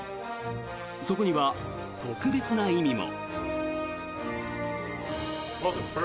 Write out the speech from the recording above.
そこには特別な意味も。